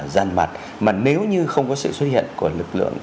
giàn mặt mà nếu như không có sự xuất hiện của lực lượng